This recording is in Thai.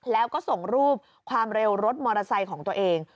แล้วก็ส่งรูปความเร็วรถมอเตอร์ไซค์ของตัวเอง